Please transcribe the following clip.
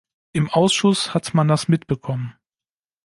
Im Ausschuss hat man das mitbekommen.